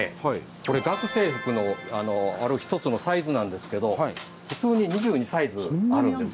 これ学生服のある一つのサイズなんですけど普通に２２サイズあるんです。